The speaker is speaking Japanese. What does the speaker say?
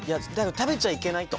食べちゃいけないと。